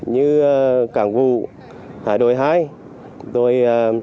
như cảng vũ hải đội hai